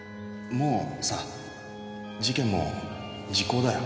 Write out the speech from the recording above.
もうさ事件も時効だよ。